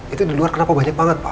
itu di luar kenapa banyak banget pak